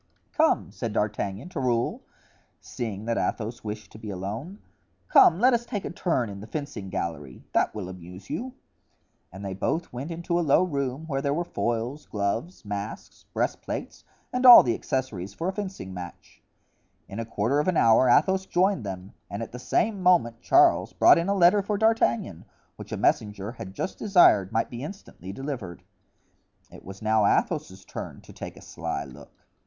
"Come," said D'Artagnan to Raoul, seeing that Athos wished to be alone, "come, let us take a turn in the fencing gallery; that will amuse you." And they both went into a low room where there were foils, gloves, masks, breastplates, and all the accessories for a fencing match. In a quarter of an hour Athos joined them and at the same moment Charles brought in a letter for D'Artagnan, which a messenger had just desired might be instantly delivered. It was now Athos's turn to take a sly look.